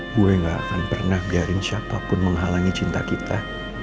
gue gak akan pernah biarin siapapun menghalangi cinta kita